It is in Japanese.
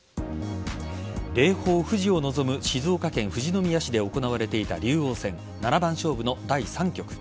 霊峰・富士を望む静岡県富士宮市で行われていた竜王戦七番勝負第３局。